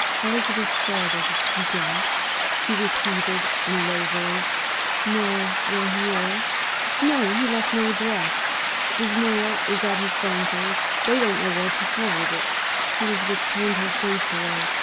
Elizabeth started. "You don't," she repeated, in a low voice, "know where he is?" "No, he left no address. His mail is at his banker's they don't know where to forward it." Elizabeth turned her face away.